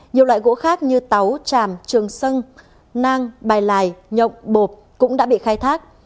nhiều loại gỗ khác như táo tràm trường sân nang bài lài nhộng bộp cũng đã bị khai thác